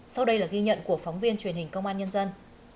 sau đây là ghi nhận của phóng viên truyền hình công an nhân dân